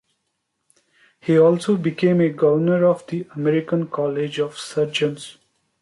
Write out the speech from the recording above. He also became a governor of the American College of Surgeons.